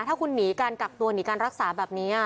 ถ้าคุณหนีการกักตัวหนีการรักษาแบบนี้